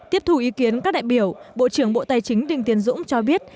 tiếp thủ ý kiến các đại biểu bộ trưởng bộ tài chính đình tiên dũng cho biết